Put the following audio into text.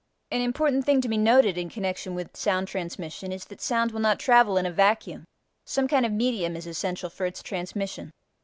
An important thing to be noted in connection with sound transmission is that sound will not travel in a vacuum: some kind of a medium is essential for its transmission.